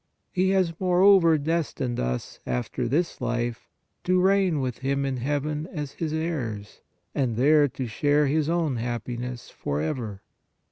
He has, more over, destined us after this life to reign with Him in heaven as His heirs and there to share His own happiness forever.